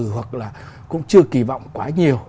hoặc là cũng chưa kỳ vọng quá nhiều